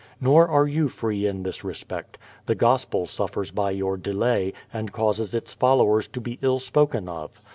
Nor are you free in this respect. The gospel suffers by your delay, and causes its followers to be ill spoken of.